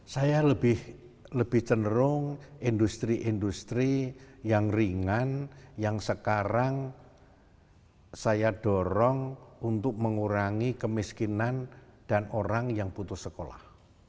saya lebih cenderung industri industri yang ringan yang sekarang saya dorong untuk mengurangi kemiskinan dan orang yang putus sekolah